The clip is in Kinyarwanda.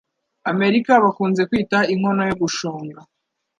Amerika bakunze kwita inkono yo gushonga.